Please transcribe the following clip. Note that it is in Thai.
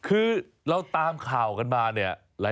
คือเราตามข่าวกันมาเนี่ย